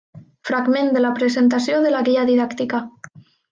Fragment de la Presentació de la guia didàctica.